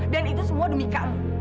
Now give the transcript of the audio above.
dan itu semua demi kamu